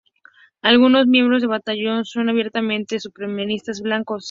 Algunos miembros del batallón son abiertamente supremacistas blancos.